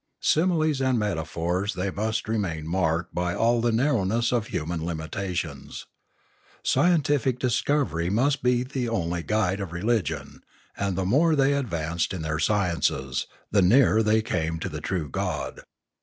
Similes and metaphors they must remain marked by all the narrowness of human limitations. Scientific discovery must be the only guide of religion ; and the more they advanced in their sciences, the nearer they came to the true God.